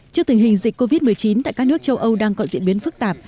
trước tình hình dịch covid một mươi chín tại các nước châu âu đang có diễn biến phức tạp